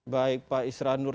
baik pak isra nur